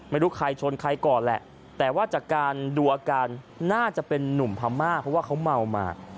ไม่รู้ใครชนใครก่อนแหละแต่ว่าจากการดูอาการน่าจะเป็นนุ่มพม่าเพราะว่าเขาเมามา